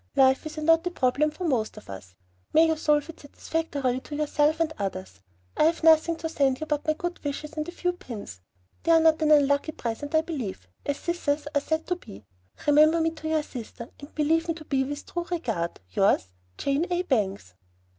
Life is a knotty problem for most of us. May you solve it satisfactorily to yourself and others! I have nothing to send but my good wishes and a few pins. They are not an unlucky present, I believe, as scissors are said to be. Remember me to your sister, and believe me to be with true regard, Yours, JANE A. BANGS.